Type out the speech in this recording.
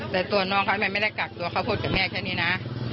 แต่ตัวน้องเขาไม่ได้กักตัวเขาพูดกับแม่แค่นี้นะ